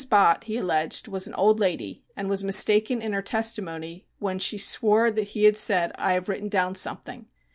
Bott, he alleged, was an old lady and was mistaken in her testimony when she swore that he had said, "I have written down something."